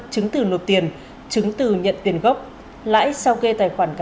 chứng từ nộp tiền chứng từ nhận tiền gốc